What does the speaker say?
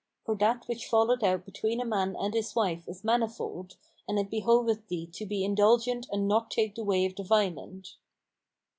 For that which falleth out between a man and his wife is manifold, and it behoveth thee to be indulgent and not take the way of the violent."